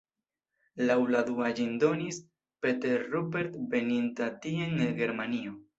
Laŭ la dua ĝin donis "Peter Rupert" veninta tien el Germanio.